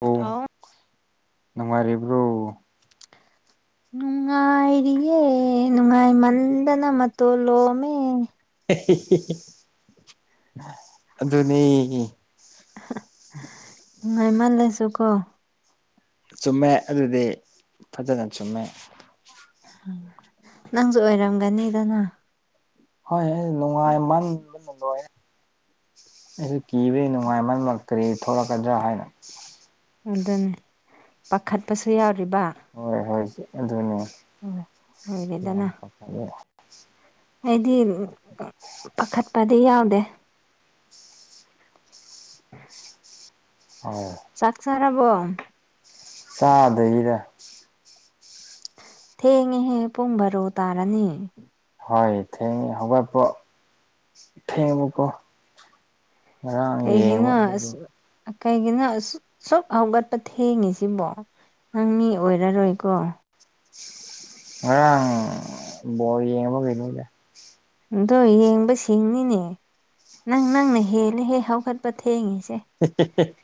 ꯑꯣ [unintelligible] ꯅꯨꯡꯉꯥꯏꯔꯤꯕ꯭ꯔꯣ [inaudible] ꯅꯨꯡꯉꯥꯏꯔꯤꯌꯦ ꯅꯨꯡꯉꯥꯏꯃꯟꯗꯅ ꯃꯇꯣꯂꯣꯃꯦ ꯑꯗꯨꯅꯤ ꯅꯨꯡ ꯉꯥꯏꯃꯜꯂꯁꯨ ꯀꯣ ꯆꯨꯝꯃꯦ ꯑꯗꯨꯗꯤ ꯐꯖꯅ ꯆꯨꯝꯃꯦ ꯅꯪꯁꯨ ꯑꯣꯏꯔꯝꯒꯅꯤꯗꯅ ꯍꯣꯏ ꯅꯨꯡꯉꯥꯏ ꯃꯥꯡꯕ ꯅꯨꯡꯂꯣꯏ ꯑꯩꯁꯨ ꯀꯤꯕꯒꯤ ꯅꯨꯡꯉꯥꯏ ꯃꯔ ꯃꯔ ꯀꯔꯤ ꯊꯣꯛꯂꯛꯀꯗ꯭ꯔꯥ ꯍꯥꯏꯅꯣ ꯑꯗꯨꯅꯤ ꯄꯥꯈꯠꯄꯁꯨ ꯌꯥꯎꯔꯤꯕ ꯍꯣꯏ ꯍꯣꯏ ꯑꯗꯨꯅꯦ ꯍꯣꯏ ꯌꯥꯝ ꯂꯣꯏꯔꯦꯗꯅ ꯄꯥꯈꯠꯂꯦ ꯑꯩꯗꯤ ꯄꯥꯈꯠꯄꯗꯤ ꯌꯥꯎꯗꯦ ꯑꯣ ꯆꯥꯛꯁꯔꯔꯕꯣ ꯆꯥꯗꯔ ꯊꯦꯡꯉꯦꯍꯦ ꯄꯨꯡ ꯕꯔꯣ ꯇꯥꯔꯅꯤ ꯍꯣꯏ ꯏ ꯊ ꯍꯄꯣ ꯊꯦꯡ ꯑꯃꯨꯀꯣ ꯑꯥꯡ ꯌꯦ ꯀꯩꯒꯤꯅꯣ ꯃꯥꯗꯤ ꯑꯁ ꯀꯩꯒꯤꯅꯣ ꯑ ꯁꯛ ꯍꯧꯒꯠꯄ ꯊꯦꯡꯉꯤꯁꯤꯕꯣ ꯅꯪ ꯃꯤ ꯑꯣꯏꯔꯔꯣꯏꯀꯣ ꯑ ꯌꯦꯡꯉꯕ ꯀꯩꯅ ꯑꯗꯣ ꯌꯦꯡꯕꯁꯤꯡꯅꯤꯅꯦ ꯅꯪ ꯅꯪꯅ ꯍꯦꯟꯅ ꯍꯦꯛ ꯍꯧꯒꯠꯄ ꯊꯦꯡꯉꯤꯁꯦ [unintelligible]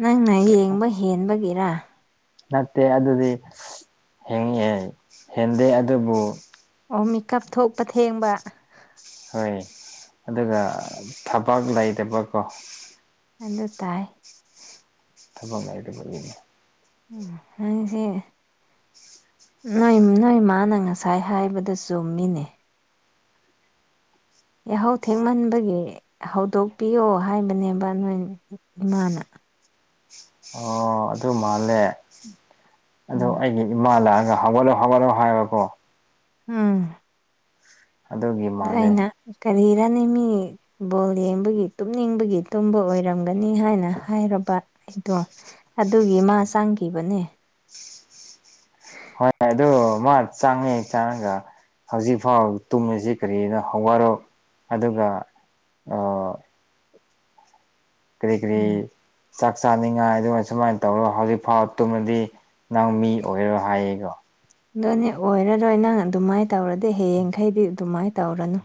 ꯅꯪꯅ ꯌꯦꯡꯕ ꯍꯦꯟꯕꯒꯤꯔ ꯅꯠꯇꯦ ꯑꯗꯨꯗꯤ ꯍꯦꯡꯉꯍꯦ ꯍꯦꯟꯗꯦ ꯑꯗꯨꯕꯨ ꯑꯣ ꯃꯤꯀꯞ ꯊꯣꯛꯄ ꯊꯦꯡꯕ ꯍꯣꯏ ꯑꯗꯨꯒ ꯊꯕꯛ ꯂꯩꯇꯕꯀꯣ ꯑꯗꯨ ꯇꯥꯏ ꯊꯕꯛ ꯉꯥꯏꯗꯕꯒꯤꯅꯦ ꯅꯪꯁꯦ ꯅꯣꯏ ꯅꯣꯏ ꯃꯥꯅ ꯉꯁꯥꯏ ꯍꯥꯏꯕꯗ ꯆꯨꯝ ꯃꯤꯅꯦ ꯌꯥꯍꯧ ꯊꯦꯡꯃꯟꯕꯒꯤ ꯍꯧꯗꯣꯛꯄꯤꯌꯣ ꯍꯥꯏꯕꯅꯦꯕ ꯅꯣꯏ ꯏꯃꯥꯅ ꯑꯣ ꯑꯗꯨ ꯃꯥꯜꯂꯦ ꯑꯣ ꯎꯝ ꯑꯩꯒꯤ ꯏꯃꯥ ꯂꯥꯛꯑꯒ ꯍꯕꯂꯣ ꯍꯒꯂꯣ ꯍꯥꯏꯕꯀꯣ ꯎꯝ ꯑꯗꯨꯒꯤ ꯑꯗꯣ ꯃꯥꯜꯂꯦ ꯑꯩꯅ ꯀꯔꯤꯔꯅꯤ ꯃꯤ ꯕꯣꯜ ꯌꯦꯡꯕꯒꯤ ꯇꯨꯝꯅꯤꯡꯕꯒꯤ ꯇꯨꯝꯕ ꯑꯣꯏꯔꯝꯒꯅꯤ ꯍꯥꯏꯅ ꯍꯥꯏꯔꯕ ꯑꯩꯗꯣ ꯑꯗꯨꯒꯤ ꯃꯥ ꯆꯥꯡꯈꯤꯕꯅꯦ ꯍꯣꯏ ꯑꯗꯨ ꯃꯥ ꯆꯥꯡꯉꯦ ꯆꯥꯡꯉꯒ ꯍꯧꯖꯤꯛ ꯐꯥꯎ ꯇꯨꯝꯃꯤꯁꯤ ꯀꯔꯤꯅꯣ ꯍꯋꯥꯔꯣ ꯑꯗꯨꯒ ꯑ ꯀꯔꯤ ꯀꯔꯤ ꯎꯝ ꯆꯥꯛ ꯆꯥꯅꯤꯡꯉꯥꯏ ꯑꯗꯨꯃꯥꯏ ꯁꯨꯃꯥꯏꯅ ꯇꯧꯔꯣ ꯍꯧꯖꯤꯛ ꯐꯥꯎꯕ ꯇꯨꯝꯃꯗꯤ ꯅꯪ ꯃꯤ ꯑꯣꯏꯔꯣ ꯍꯥꯏꯌꯦꯀꯣ ꯑꯗꯅꯦ ꯑꯣꯏꯔꯔꯣꯏ ꯅꯪ ꯑꯗꯨꯃꯥꯏꯅ ꯇꯧꯔꯗꯤ ꯍꯌꯦꯡꯈꯩꯗꯤ ꯑꯗꯨꯃꯥꯏꯅ ꯇꯧꯔꯅꯨ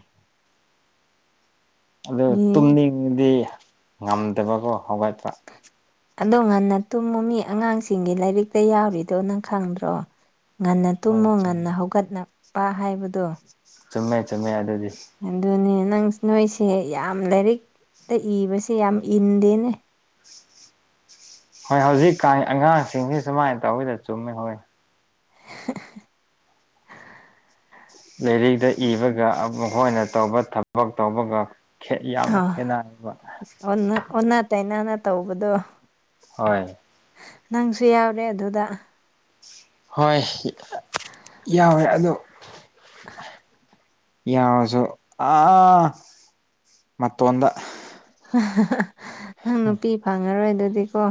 ꯑꯗꯨ ꯃꯤ ꯇꯨꯝꯅꯤꯡꯕꯗꯤ ꯉꯝꯗꯕꯀꯣ ꯍꯧꯒꯠꯇ꯭ꯔ ꯑꯗꯣ ꯉꯟꯅ ꯇꯨꯝꯃ ꯃꯤ ꯑꯉꯥꯡꯁꯤꯡꯒꯤ ꯂꯥꯏꯔꯤꯛꯇ ꯌꯥꯎꯔꯤꯗꯣ ꯅꯪ ꯈꯪꯗ꯭ꯔꯣ ꯉꯟꯅ ꯍꯣꯏ ꯇꯨꯝꯃꯨ ꯆꯨꯝꯃꯦ ꯉꯟꯅ ꯍꯧꯒꯠꯂꯄ ꯍꯥꯏꯕꯗꯣ ꯆꯨꯝꯃꯦ ꯆꯨꯝꯃꯦ ꯑꯗꯨꯗꯤ ꯑꯗꯨꯅꯦ ꯅꯪ ꯅꯣꯏꯁꯦ ꯌꯥꯝ ꯂꯥꯏꯔꯤꯛꯇ ꯏꯕꯁꯦ ꯌꯥꯝ ꯏꯟꯗꯦꯅꯦ ꯍꯣꯏ ꯍꯧꯖꯤꯛꯀꯥꯟ ꯑꯉꯥꯡꯁꯤꯡꯁꯤ ꯁꯨꯃꯥꯏꯅ ꯇꯧꯋꯤꯗ ꯆꯨꯝꯃꯦ ꯍꯣꯏ ꯂꯥꯏꯔꯤꯗ ꯏꯕꯒ ꯃꯈꯣꯏꯅ ꯇꯧꯕ ꯊꯕꯛ ꯇꯧꯕꯒ ꯌꯥꯝꯅ ꯈꯦꯠꯅꯔꯕ ꯑꯣ ꯑꯣꯟꯅ ꯇꯥꯏꯅꯥꯅ ꯇꯧꯕꯗꯣ ꯍꯣꯏ ꯅꯪꯁꯨ ꯌꯥꯎꯔꯦ ꯑꯗꯨꯗ ꯍꯣꯏ ꯌꯥꯎꯋꯦ ꯑꯗꯣ ꯌꯥꯎꯁꯨꯣ ꯑ ꯃꯣꯗ ꯅꯪ ꯅꯨꯄꯤ ꯐꯪꯉꯔꯣꯏ ꯑꯗꯨꯗꯤꯀꯣ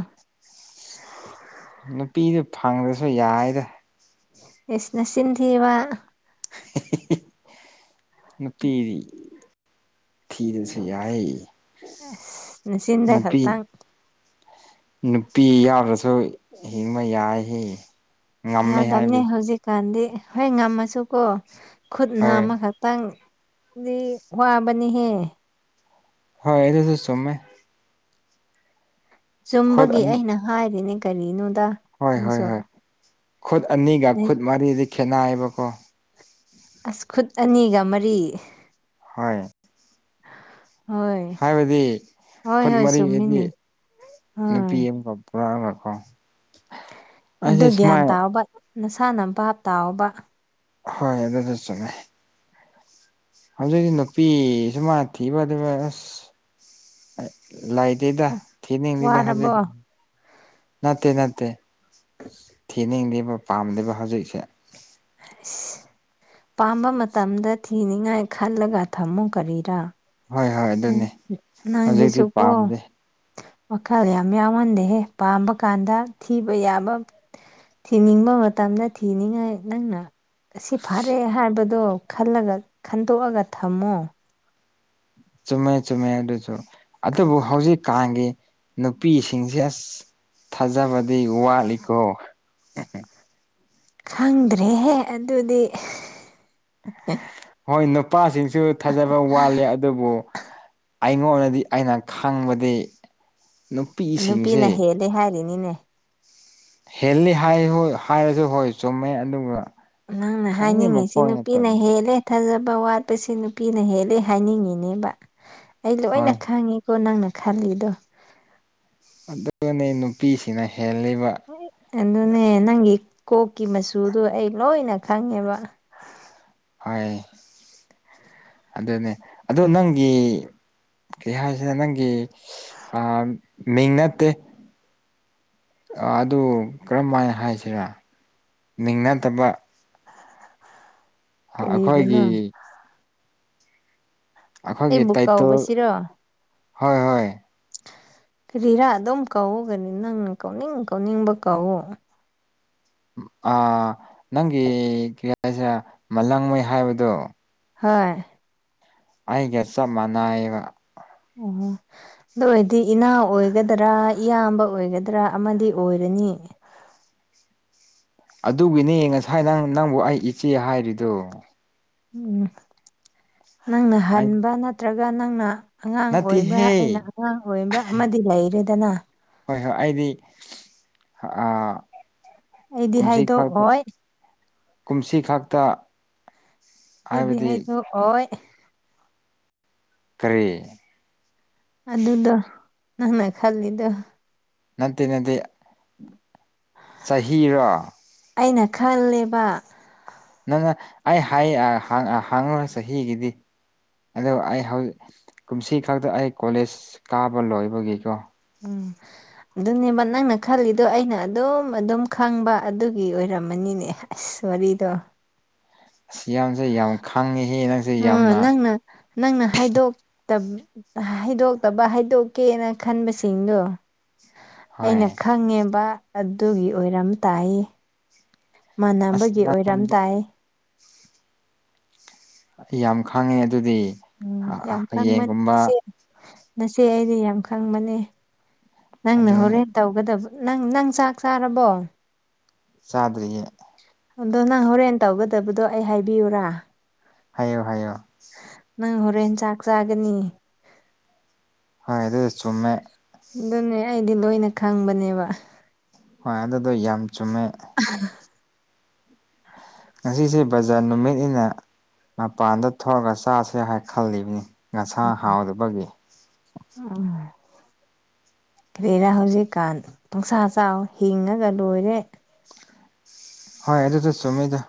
ꯅꯨꯄꯤꯗꯨ ꯐꯪꯗ꯭ꯔꯁꯨ ꯌꯥꯏꯗ ꯏꯁ ꯅꯆꯤꯟ ꯊꯤꯕ ꯎ ꯄꯤꯗꯤ ꯊꯤꯔꯁꯨ ꯌꯥꯏ ꯑ ꯆꯤꯟꯟꯗ ꯈ ꯅꯨꯄꯤ ꯇꯪ ꯅꯨꯄꯤ ꯌꯥꯎ꯭ꯔꯁꯨ ꯍꯤꯡꯕ ꯌꯥꯏ ꯉꯝꯃꯦ ꯌꯥꯗꯕꯅꯤ ꯍꯥꯏꯕꯤ ꯍꯧꯖꯤꯛꯀꯥꯟꯗꯤ ꯍꯣꯏ ꯉꯝꯃꯁꯨꯀꯣ ꯈꯨꯠꯅ ꯍꯣꯏ ꯑꯃꯈꯛ ꯇꯪꯗꯤ ꯋꯥꯕꯅꯤꯍꯦ ꯍꯣꯏ ꯑꯩꯗꯨ ꯁꯁ ꯆꯣꯃꯦ ꯈꯨꯠ ꯆꯨꯝꯕꯒꯤ ꯑꯅꯤ ꯑꯩꯅ ꯍꯥꯏꯔꯤꯅꯦ ꯀꯔꯤꯅꯣꯗ ꯍꯣꯏ ꯍꯣꯏ ꯅꯪꯁꯑꯣ ꯍꯣꯏ ꯈꯨꯠ ꯑꯅꯤꯒ ꯈꯨꯠ ꯃꯔꯤꯗꯤ ꯈꯦꯠꯅꯑꯕꯀꯣ ꯑꯁꯈꯨꯠ ꯑꯅꯤꯒ ꯃꯔꯤ ꯍ ꯎ ꯍꯥꯏꯕꯗꯤ ꯈꯨꯠ ꯍꯣꯏ ꯃꯔꯤ ꯍꯥꯏꯗꯤ ꯆꯨꯝꯃꯤꯅꯤ ꯅꯨꯄꯤ ꯍꯣꯏ ꯑꯃꯒ ꯄꯨꯔꯛꯑꯒꯀꯣ ꯑꯩꯁꯦ ꯑꯗꯨ ꯒ꯭ꯌꯥꯟ ꯁꯨꯃꯥꯏꯅ ꯇꯥꯕ ꯅꯁꯥꯅꯄꯥꯥꯞ ꯇꯥꯎꯕ ꯍꯣꯏ ꯑꯗꯨꯗ ꯆꯨꯝꯉ ꯍꯧꯖꯤꯛꯇꯛꯇꯤ ꯅꯨꯄꯤ ꯁꯨꯃꯅ ꯊꯤꯕ ꯑꯗꯨꯒ ꯑꯁ ꯂꯥꯏꯠ ꯗ ꯊꯗ ꯍꯥꯏ ꯋꯥꯔꯕꯣ ꯅꯠꯇꯦ ꯅꯠꯇꯦ ꯊꯦꯅꯤꯡꯂꯤꯕ ꯄꯥꯝꯗꯦꯕ ꯍꯧꯖꯤꯛꯁꯦ ꯑꯁ ꯄꯥꯝꯕ ꯃꯇꯝꯗ ꯊꯤꯅꯤꯉꯥꯏ ꯈꯜꯂꯒ ꯊꯝꯃꯨ ꯀꯔꯤꯔꯥ ꯍꯣꯏ ꯍꯣꯏ ꯎꯝ ꯑꯗꯨꯅꯤ ꯍꯧꯖꯤꯛꯇꯤ ꯅꯪꯁꯤꯁꯨꯀꯣ ꯄꯥꯝꯗꯦ ꯋꯥꯈꯜ ꯌꯥꯝ ꯌꯥꯎꯍꯟꯗꯦꯍꯦ ꯄꯥꯝꯕ ꯀꯥꯟꯗ ꯊꯤꯕ ꯌꯥꯕ ꯊꯤꯅꯤꯡꯕ ꯃꯇꯝꯗ ꯊꯤꯅꯤꯡꯉꯥꯏ ꯅꯪꯅ ꯑꯁꯤ ꯐꯔꯦ ꯍꯥꯏꯕꯗꯣ ꯈꯜꯂꯒ ꯈꯟꯗꯣꯛꯑꯒ ꯊꯝꯃꯣ ꯆꯨꯝꯃꯦ ꯆꯨꯝꯃꯦ ꯑꯗꯨꯁꯨ ꯑꯗꯨꯕꯨ ꯍꯧꯖꯤꯛꯀꯥꯟꯒꯤ ꯅꯨꯄꯤꯁꯤꯡꯁꯦ ꯑꯁ ꯊꯥꯖꯕꯗꯤ ꯋꯥꯠꯂꯤꯀꯣ ꯎꯝ ꯎꯝ ꯈꯪꯗ꯭ꯔꯦꯍꯦ ꯑꯗꯨꯗꯤ ꯍꯣꯏ ꯅꯨꯄꯥꯁꯤꯡꯁꯨ ꯊꯥꯖꯕ ꯋꯥꯠꯂꯦ ꯑꯗꯨꯕꯨ ꯑꯩꯉꯣꯟꯗꯗꯤ ꯑꯩꯅ ꯈꯪꯕꯗꯤ ꯅꯨꯄꯤꯁꯤꯡꯁꯦ ꯅꯨꯄꯤꯅ ꯍꯦꯜꯂꯦ ꯍꯥꯏꯔꯤꯅꯤꯅꯦ ꯍꯦꯜꯂꯤ ꯍꯥꯏ ꯍꯥꯏꯔꯁꯨ ꯍꯣꯏ ꯆꯨꯝꯃꯦ ꯑꯗꯨꯒ ꯅꯪꯅ ꯈꯪꯗꯦ ꯍꯥꯏꯅꯤꯡꯉꯤꯁꯤ ꯃꯈꯣꯏꯅ ꯅꯨꯄꯤꯅ ꯇꯧꯔꯤꯁꯦ ꯍꯦꯜꯂꯦ ꯊꯥꯖꯕ ꯋꯥꯠꯄꯁꯦ ꯅꯨꯄꯤꯅ ꯍꯦꯜꯂꯦ ꯍꯥꯏꯅꯤꯡꯉꯤꯅꯦꯕ ꯑꯩ ꯂꯣꯏꯅ ꯍꯣꯏ ꯈꯪꯉꯤ ꯀꯣ ꯅꯪꯅ ꯈꯂꯤꯗꯣ ꯑꯗꯨꯅꯤ ꯅꯨꯄꯤꯁꯤꯅ ꯍꯦꯜꯂꯤꯕ ꯑꯗꯨꯅꯦ ꯅꯪꯒꯤ ꯀꯣꯛꯀꯤ ꯃꯆꯨꯗꯣ ꯑꯩ ꯂꯣꯏꯅ ꯈꯪꯉꯦꯕ ꯍꯣꯏ ꯑꯗꯨꯅꯦ ꯑꯗꯣ ꯅꯪꯒꯤ ꯀꯩ ꯍꯥꯏꯁꯤꯔ ꯅꯪꯒꯤ ꯑ ꯃꯤꯡ ꯅꯠꯇꯦ ꯑꯗꯨ ꯀꯔꯝꯍꯥꯏꯅ ꯍꯥꯏꯁꯤꯔꯥ ꯃꯤꯡꯅꯠꯇꯕ ꯑꯩꯈꯣꯏꯒꯤ ꯀꯔꯤꯕꯨꯅꯣ ꯑꯩꯈꯣꯏꯒꯤ ꯑꯩꯕꯨ ꯇꯥꯏꯇꯜ ꯀꯧꯕꯁꯤꯔꯣ ꯍꯣꯏ ꯍꯣꯏ ꯀꯔꯤꯔꯥ ꯑꯗꯨꯝ ꯀꯧꯎꯒꯅꯤ ꯅꯪꯅ ꯀꯧꯅꯤꯡ ꯀꯧꯅꯤꯡꯕ ꯀꯧꯋꯣ ꯑ ꯅꯪꯒꯤ ꯀ꯭ꯔꯤ ꯍꯥꯏꯁꯤꯔꯥ ꯃꯥꯂꯡꯉꯩ ꯍꯥꯏꯕꯗꯨ ꯍꯣꯏ ꯑꯩꯒ ꯆꯞ ꯃꯥꯟꯅꯏꯕ ꯑꯣ [inaudible] ꯑꯗꯨ ꯑꯣꯏꯔꯗꯤ ꯏꯅꯥꯎ ꯑꯣꯏꯒꯗ꯭ꯔꯥ ꯏꯌꯥꯝꯕ ꯑꯣꯏꯒꯗ꯭ꯔꯥ ꯑꯃꯗꯤ ꯑꯣꯏꯔꯅꯤ ꯑꯗꯨꯒꯤꯅꯦ ꯉꯁꯥꯏ ꯅꯪ ꯅꯪꯕꯨ ꯑꯩ ꯏꯆꯦ ꯍꯥꯏꯔꯤꯗꯨꯣ ꯎꯝ ꯅꯪꯅ ꯑꯩ ꯍꯟꯕ ꯅꯠꯇ꯭ꯔꯒ ꯅꯪꯅ ꯑꯉꯥꯡ ꯑꯣꯏꯕ꯭ꯔꯥ ꯅꯠꯇꯦꯍꯦ ꯑꯩꯅ ꯑꯉꯥꯡ ꯑꯣꯏꯕ꯭ꯔꯥ ꯑꯃꯗꯤ ꯂꯩꯔꯦꯗꯅ ꯍꯣꯏ ꯍꯣꯏ ꯑꯩꯗꯤ ꯑꯩꯗꯤ ꯀꯨꯝꯁꯤ ꯈꯛꯇ ꯍꯥꯏꯗꯣꯛꯑꯣꯏ ꯀꯨꯝꯁꯤ ꯈꯛꯇ ꯍꯥꯏꯗꯤ ꯍꯥꯏꯕꯗꯤ ꯍꯥꯏꯗꯨ ꯑꯣꯏꯣꯏ ꯀꯔꯤ ꯑꯗꯨꯗꯣ ꯅꯪꯅ ꯈꯜꯂꯤꯗꯣ ꯅꯠꯇꯦ ꯅꯠꯇꯦ [inaudible] ꯆꯍꯤꯔꯣ ꯑꯩꯅ ꯈꯜꯂꯤꯕ ꯅꯪꯅ ꯑꯩ ꯍꯥꯏ ꯍꯪꯉꯣ ꯆꯍꯤꯒꯤꯗꯤ ꯑꯗꯣ ꯑꯩ ꯍꯧꯖꯤꯛ ꯀꯨꯝꯁꯤ ꯈꯛꯇ ꯑꯩ ꯀꯣꯂꯦꯖ ꯀꯥꯕ ꯂꯣꯏꯕꯒꯤꯀꯣ ꯎꯝ ꯑꯗꯨꯅꯦꯕ ꯅꯪꯅ ꯈꯜꯂꯤꯗꯣ ꯑꯩꯅ ꯑꯗꯨꯝ ꯑꯗꯨꯝ ꯈꯪꯕ ꯑꯗꯨꯒꯤ ꯑꯣꯏꯔꯝꯃꯅꯤꯅꯦ ꯑꯁ ꯋꯥꯔꯤꯗꯣ ꯑꯁ ꯌꯥꯝꯁꯦ ꯌꯥꯝ ꯈꯪꯉꯤꯍꯦ ꯅꯪꯁꯦ ꯌꯥꯝꯅ ꯎ ꯅꯪꯅ ꯍꯥꯏꯗꯣꯛꯇꯕ ꯍꯩꯗꯣꯛꯇꯕ ꯍꯩꯗꯣꯛꯀꯦꯅ ꯈꯟꯕꯁꯤꯡꯗꯣ ꯍꯣꯏ ꯑꯩꯅ ꯈꯪꯉꯦꯕ ꯑꯗꯨꯒꯤ ꯑꯣꯏꯔꯝ ꯇꯥꯏ ꯑꯁ ꯃꯥꯟꯅꯕꯒꯤ ꯅꯪ ꯑꯣꯏꯔꯝ ꯇꯥꯏ ꯑꯩ ꯌꯥꯝ ꯈꯥꯡꯉꯦ ꯑꯗꯨꯗꯤ ꯎꯝ ꯌꯥꯝ ꯍꯌꯦꯡꯒꯨꯝꯕ ꯈꯪꯕꯅꯤꯁꯦ ꯅꯆꯦ ꯑꯩꯗꯤ ꯌꯥꯝ ꯈꯪꯕꯅꯦ ꯅꯪꯅ ꯑꯗꯨ ꯍꯧꯣꯔꯦꯟ ꯇꯧꯒꯗꯕ ꯅꯪ ꯅꯪ ꯆꯥꯛ ꯆꯥꯔꯕꯣ ꯆꯥꯗ꯭ꯔꯤꯌꯦ ꯑꯗꯣ ꯅꯪ ꯍꯣꯔꯦꯟ ꯇꯧꯒꯗꯕꯗꯣ ꯑꯩ ꯍꯥꯏꯕꯤꯌꯨꯔꯥ ꯍꯥꯏꯌꯣ ꯍꯥꯏꯌꯣ ꯅꯪ ꯍꯣꯔꯦꯟ ꯆꯥꯛ ꯆꯥꯒꯅꯤ ꯍꯣꯏ ꯑꯗꯨ ꯆꯨꯝꯃꯦ ꯑꯗꯨꯅꯦ ꯑꯩꯗꯤ ꯂꯣꯏꯅ ꯈꯪꯕꯅꯦꯕ ꯍꯣꯏ ꯑꯗꯨꯗꯣ ꯌꯥꯝ ꯆꯨꯝꯃꯦ ꯑꯍꯥ ꯉꯁꯤꯁꯦ ꯕꯖꯥꯔ ꯅꯨꯃꯤꯠꯅꯤꯅ ꯃꯄꯥꯟꯗ ꯊꯣꯛꯂꯒ ꯆꯥꯁꯦ ꯍꯥꯏ ꯈꯜꯂꯤꯕꯅꯤ ꯉꯁꯥ ꯍꯥꯎꯗꯕꯒꯤ ꯑꯪ ꯀꯔꯤꯔꯥ ꯍꯧꯖꯤꯛꯀꯥꯟ ꯄꯨꯡꯁꯥ ꯆꯥꯎ ꯍꯤꯡꯉꯒ ꯂꯣꯏꯔꯦ ꯍꯣꯏ ꯑꯗꯨꯁꯨ ꯆꯨꯝꯃꯤꯗ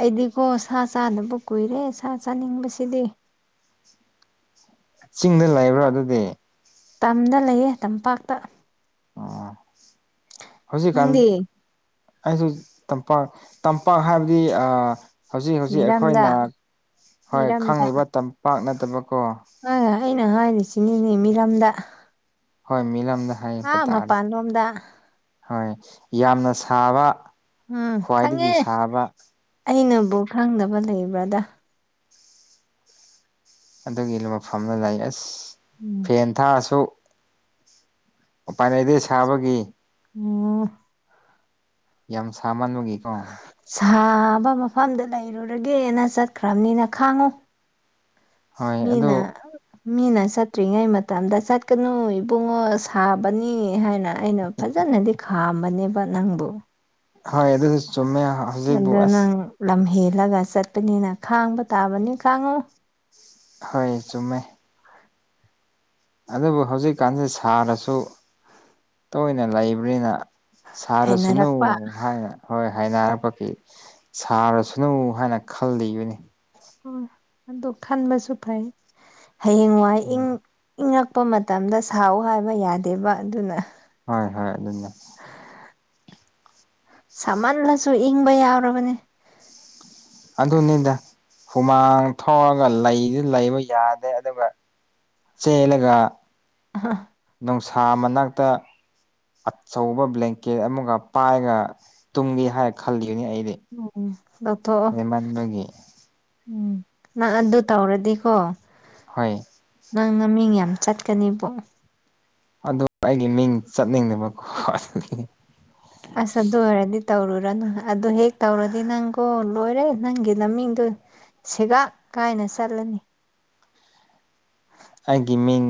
ꯑꯩꯗꯤꯀꯣ ꯁꯥ ꯆꯥꯅꯕ ꯀꯨꯏꯔꯦ ꯁꯥ ꯆꯥꯅꯤꯡꯕꯁꯤꯗꯤ ꯆꯤꯡꯗ ꯂꯩꯕ꯭ꯔꯥ ꯑꯗꯨꯗꯤ ꯇꯝꯗ ꯂꯩꯌꯦ ꯇꯝꯄꯥꯛꯇ ꯑꯣ ꯍꯧꯖꯤꯛꯀꯥꯟ ꯅꯪꯗꯤ ꯑꯩꯁꯨ ꯇꯝꯄꯥꯛ ꯇꯝꯄꯥꯛ ꯍꯥꯏꯕꯗꯤ ꯍꯧꯖꯤꯛ ꯍꯧꯖꯤꯛ ꯃꯤꯔꯝꯗ ꯑꯩꯈꯣꯏꯅ ꯍꯣꯏ ꯃꯤꯔꯝꯗ ꯈꯪꯂꯤꯕ ꯇꯝꯄꯥꯛ ꯅꯠꯇꯕꯀꯣ ꯑ ꯑꯩꯅ ꯍꯥꯏꯔꯤꯁꯤꯅꯤꯅꯦ ꯃꯤꯔꯝꯗ ꯍꯣꯏ ꯃꯤꯂꯝꯗ ꯍꯥꯏꯄ ꯑꯥ ꯇꯥꯔꯦ ꯃꯄꯥꯟꯂꯣꯝꯗ ꯍꯣꯏ ꯌꯥꯝꯅ ꯁꯥꯕ ꯎꯝ ꯈꯪꯉꯦ ꯈ꯭ꯋꯥꯏꯗꯒꯤ ꯁꯥꯕ ꯑꯩꯅꯕꯨ ꯈꯪꯗꯕꯥ ꯂꯩꯕ꯭ꯔꯥꯗ ꯑꯗꯨꯒꯤ ꯃꯐꯝꯗ ꯂꯩꯥꯔꯑꯁ [inaudible] ꯐꯦꯟ ꯊꯥꯔꯁꯨ ꯎꯄꯥꯏ ꯂꯩꯗꯦ ꯁꯥꯕꯒꯤ ꯑꯣ ꯌꯥꯝ ꯁꯥꯃꯟꯕꯒꯤꯀꯣ ꯁꯥꯕ ꯃꯐꯝꯗ ꯂꯩꯔꯨꯔꯒꯦꯅ ꯆꯠꯈ꯭ꯔꯕꯅꯤꯅ ꯈꯥꯡꯉꯨ ꯍꯣꯏ ꯃꯤꯅꯥ ꯑꯗꯨ ꯃꯤꯅ ꯆꯠꯇ꯭ꯔꯤꯉꯩ ꯃꯇꯝꯗ ꯆꯠꯀꯅꯨ ꯏꯕꯨꯡꯉꯣ ꯁꯥꯕꯅꯤ ꯍꯥꯏꯅ ꯑꯩꯅ ꯐꯖꯅꯗꯤ ꯈꯥꯝꯕꯅꯦꯕ ꯅꯪꯕꯨ ꯍꯣꯏ ꯑꯗꯨꯁꯨ ꯆꯨꯝꯃꯦ ꯍꯧꯖꯤꯛꯄꯨ ꯑꯗꯨ ꯅꯪ ꯑꯁ ꯂꯝ ꯍꯦꯜꯂꯒ ꯆꯠꯄꯅꯤꯅ ꯈꯥꯡꯕ ꯇꯥꯕꯅꯤ ꯈꯥꯡꯉꯨ ꯍꯣꯏ ꯆꯨꯝꯃꯦ ꯑꯗꯨꯕꯨ ꯍꯧꯖꯤꯛꯀꯥꯟꯁꯦ ꯁꯥꯔꯁꯨ ꯇꯣꯏꯅ ꯂꯩꯕꯅꯤꯅ ꯁꯥꯔꯁꯅꯨ ꯍꯩꯅꯔꯛꯄ ꯍꯥꯏꯅ ꯍꯣꯏ ꯍꯥꯏꯅꯔꯄꯒꯤ ꯁꯥꯔꯁꯅꯨ ꯍꯥꯏꯅ ꯈꯜꯂꯤꯕꯅꯤ ꯑꯗꯨ ꯈꯟꯕꯁꯨ ꯐꯩ ꯍꯌꯦꯡ ꯋꯥꯏ ꯏꯪ ꯎꯝ ꯏꯪꯉꯛꯄ ꯃꯇꯝꯗ ꯁꯥꯎ ꯍꯥꯏꯕ ꯌꯥꯗꯦꯕ ꯑꯗꯨꯅ ꯍꯣꯏ ꯍꯣꯏ ꯑꯗꯨꯅ ꯁꯥꯃꯜꯂꯁꯨ ꯏꯪꯕ ꯌꯥꯎꯔꯕꯅꯦ ꯑꯗꯨꯅꯤꯗ ꯍꯨꯃꯥꯡ ꯊꯣꯛꯑꯒ ꯂꯩꯗꯨ ꯂꯩꯕ ꯌꯥꯗꯦ ꯑꯗꯨꯒ ꯆꯦꯂꯒ ꯍ ꯅꯨꯡꯁꯥ ꯃꯅꯥꯛꯇ ꯑꯆꯧꯕ ꯕ꯭ꯂꯦꯡꯀꯦꯠ ꯑꯃꯒ ꯄꯥꯏꯔꯒ ꯇꯨꯡꯂꯤ ꯍꯥꯏꯔ ꯈꯜꯂꯤꯒꯅꯤ ꯑꯩꯗꯤ ꯎꯝ ꯎꯝ ꯂꯧꯊꯣꯛꯑꯣ ꯂꯩꯃꯟꯕꯒꯤ ꯎꯝ ꯅꯪ ꯑꯗꯨ ꯇꯧꯔꯗꯤꯀꯣ ꯍꯣꯏ ꯅꯪ ꯅꯃꯤꯡ ꯌꯥꯝ ꯆꯠꯀꯅꯤꯕꯣ ꯑꯗꯨ ꯑꯩꯒꯤ ꯃꯤꯡ ꯆꯠꯅꯤꯡꯗꯕꯀꯣ ꯑꯗꯨꯒꯤ ꯑꯁ ꯑꯗꯨ ꯑꯣꯏꯔꯗꯤ ꯇꯧꯔꯨꯔꯅꯨ ꯑꯗꯨ ꯍꯦꯛ ꯇꯧꯔꯗꯤ ꯅꯪꯀꯣ ꯂꯣꯏꯔꯦ ꯅꯪꯒꯤ ꯅꯃꯤꯡꯗꯨ ꯁꯤꯒꯥꯛ ꯀꯥꯏꯅ ꯆꯠꯂꯅꯤ ꯑꯩꯒꯤ ꯃꯤꯡ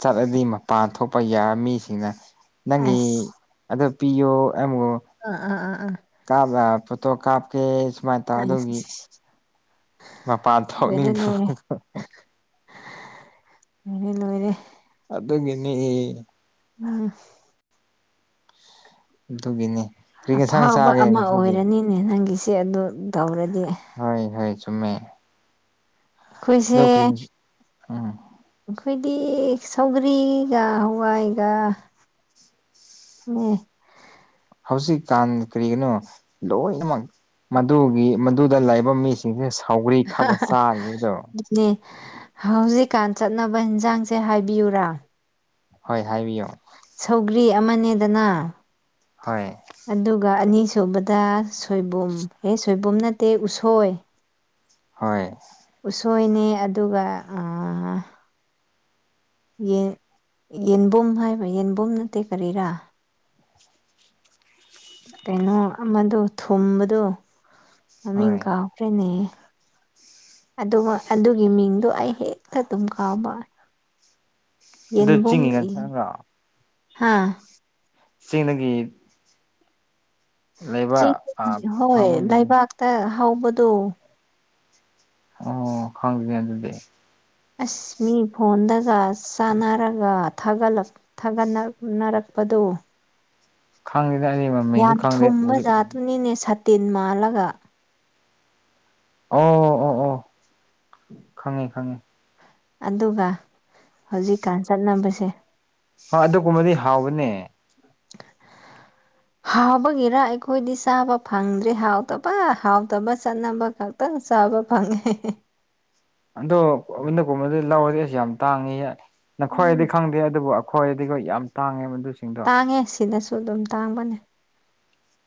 ꯆꯠꯂꯗꯤ ꯃꯄꯥꯟ ꯊꯣꯛꯄ ꯌꯥ ꯃꯤꯁꯤꯡꯅ ꯅꯪꯒꯤ ꯑꯁ ꯑꯗꯣ ꯄꯤꯌꯣ ꯑꯦꯝꯑꯣ ꯑꯥ ꯑꯥ ꯑꯥ ꯑꯥ ꯇꯥꯕ꯭ꯔꯥ ꯐꯣꯇꯣ ꯀꯥꯞꯀꯦ ꯁꯨꯃꯥꯏꯅ ꯇꯧ ꯑꯥ ꯑꯗꯨꯒꯤ ꯑꯁ ꯃꯄꯥꯟ ꯊꯣꯛꯅꯤꯡꯇꯕ ꯃꯤꯗꯤ ꯂꯣꯏꯔꯦ ꯑꯗꯨꯒꯤꯅꯦ... [unintelligible] ꯗꯨꯒꯤꯅꯤ ꯑꯐꯥꯎꯕ ꯑꯃ ꯑꯣꯏꯔꯅꯤꯅꯦ ꯅꯪꯒꯤꯁꯦ ꯑꯗꯨ ꯇꯧꯔꯗꯤ ꯍꯣꯏ ꯍꯣꯏ ꯆꯨꯝꯃꯦ ꯑꯗꯨ ꯀ꯭ꯔꯤ ꯎꯝ [inaudible] ꯑꯈꯣꯏꯗꯤ ꯁꯥꯎꯒ꯭ꯔꯤꯒ ꯍꯋꯥꯏꯒ ꯅ‌ꯦ ꯍꯧꯖꯤꯛꯀꯥꯟ ꯀꯔꯤꯒꯤꯅꯣ ꯂꯣꯏꯅꯃꯛ ꯃꯗꯨꯒꯤ ꯃꯗꯨꯗ ꯂꯥꯛꯏꯕ ꯃꯤꯁ ꯁꯤꯡꯁꯦ ꯁꯧꯎꯒ꯭ꯔꯤ ꯈꯛꯒ ꯆꯥꯔꯤꯕꯗꯣ ꯗꯤ ꯍꯧꯖꯤꯛꯀꯥꯟ ꯆꯠꯅꯕ ꯍꯦꯟꯁꯥꯡꯁꯦ ꯍꯥꯏꯕꯤꯌꯨꯔꯥ ꯍꯣꯏ ꯍꯥꯏꯕꯤꯌꯣ ꯁꯧꯒ꯭ꯔꯤ ꯑꯃꯅꯦꯗꯅ ꯍꯣꯏ ꯑꯗꯨꯒ ꯑꯅꯤꯁꯨꯕꯗ ꯁꯣꯏꯕꯨꯝ ꯑꯦ ꯁꯣꯏꯕꯨꯝ ꯅꯠꯇꯦ ꯎꯁꯣꯏ ꯍꯣꯏ ꯎꯁꯣꯏꯅꯤ ꯑꯗꯨꯒ... ꯌꯦ ꯌꯦꯟꯕꯨꯝ ꯍꯥꯏꯕ ꯌꯦꯟꯕꯨꯝ ꯅꯠꯇꯦ ꯀꯔꯤꯔꯥ ꯀꯩꯅꯣ ꯑꯃꯗꯣ ꯊꯨꯝꯕꯗꯣ ꯃꯃꯤꯡ ꯍꯣꯏ ꯀꯥꯎꯈ꯭ꯔꯦꯅꯦ ꯑꯗꯨ ꯑꯗꯨꯒꯤ ꯃꯤꯡꯗꯣ ꯑꯩ ꯍꯦꯛꯇ ꯑꯗꯨꯝ ꯀꯥꯎꯕ ꯑꯗꯨ ꯌꯦꯕꯨꯝ ꯆꯤꯡꯒꯤ ꯑꯦ ꯉꯟꯁꯥꯡꯔꯣ ꯍꯥ ꯆꯦꯡꯅꯒꯤ ꯆꯤꯡ ꯑꯥ ꯍꯣꯏ ꯐꯪꯕꯒꯤꯅꯤ ꯂꯩꯕꯥꯛꯇ ꯍꯧꯕꯗꯣ ꯑꯣ ꯈꯪꯗꯦ ꯑꯗꯨꯗꯤ ꯑꯁ ꯃꯤ ꯐꯣꯟꯗꯒ ꯆꯥꯟꯅꯔꯒ ꯊꯥꯒꯠꯂꯛ ꯊꯥꯒꯠꯅꯅꯔꯛꯄꯗꯨ ꯈꯪꯉꯤꯗ ꯑꯅꯤꯃꯛ ꯌꯥꯝ ꯊꯨꯝꯕ ꯖꯥꯠꯇꯨꯅꯤꯅꯦ ꯁꯥꯇꯤꯟ ꯃꯥꯜꯂꯒ ꯑꯣ ꯑꯣ ꯑꯣ ꯈꯪꯉꯦ ꯈꯪꯉꯦ ꯑꯗꯨꯒ ꯍꯧꯖꯤꯛꯀꯥꯟ ꯆꯠꯅꯕꯁꯦ ꯍꯥ ꯑꯗꯨꯒꯨꯝꯕꯗꯤ ꯍꯥꯎꯕꯅꯦ [unintelligible] ꯍꯥꯎꯕꯒꯤꯔ ꯑꯩꯈꯣꯏꯗꯤ ꯆꯥꯕ ꯐꯪꯗ꯭ꯔꯦ ꯍꯥꯎꯇꯕ ꯍꯥꯎꯇꯕ ꯆꯠꯅꯕ ꯈꯛ ꯇꯪ ꯆꯥꯕ ꯐꯪꯉꯦ ꯍ‌ꯦ ꯍ‌ꯦ ꯑꯗꯣꯗ ꯑꯗꯨꯗꯤ ꯂꯧꯥꯎꯔꯗꯤ ꯑꯁ ꯌꯥꯝ ꯇꯥꯡꯉꯤ ꯎꯝ ꯅꯈ‌ꫭꯏꯗꯤ ꯈꯪꯗꯦ ꯑꯗꯨꯕꯨ ꯈꯣꯏꯗꯤꯀ‌ꫭ ꯌꯥꯝ ꯇꯥꯡꯉꯦ ꯃꯗꯨꯁ ꯇꯥꯡꯉꯦ ꯁꯤꯗꯁꯨ ꯑꯗꯨꯝ ꯇꯥꯡꯕꯅꯦ